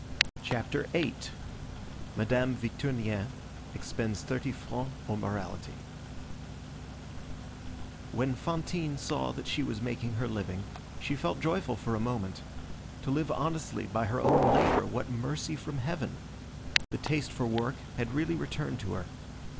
CHAPTER VIII—MADAME VICTURNIEN EXPENDS THIRTY FRANCS ON MORALITY When Fantine saw that she was making her living, she felt joyful for a moment. To live honestly by her own labor, what mercy from heaven! The taste for work had really returned to her.